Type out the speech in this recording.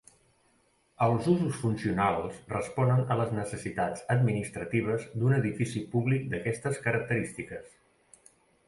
Els usos funcionals responen a les necessitats administratives d'un edifici públic d'aquestes característiques.